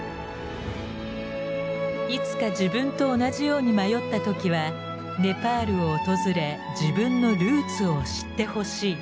いつか自分と同じように迷った時はネパールを訪れ自分のルーツを知ってほしい。